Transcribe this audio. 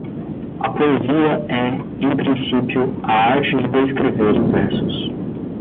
A poesia é, em princípio, a arte de escrever em versos.